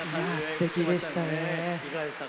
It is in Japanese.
すてきでしたね。